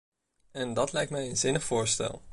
En dat lijkt mij een zinnig voorstel.